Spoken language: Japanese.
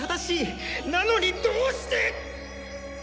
なのにどうして！